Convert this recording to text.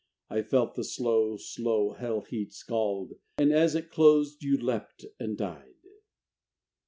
I felt the slow, slow hell heat scald: And as it closed, you leapt and died.